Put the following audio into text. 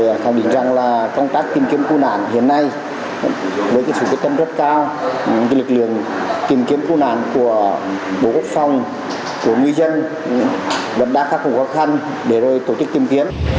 phải khẳng định rằng công tác tìm kiếm cư nàn hiện nay với sự quyết tâm rất cao lực lượng tìm kiếm cư nàn của bộ quốc phòng của ngư dân đã khắc phục khó khăn để rồi tổ chức tìm kiếm